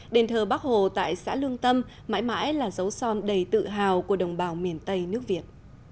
đền thờ bắc hồ tại xã lương tâm mãi mãi là dấu son đầy tự hào của đồng bào miền tây nước việt